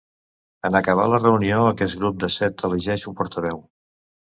En acabar la reunió, aquest grup de set elegeix un portaveu.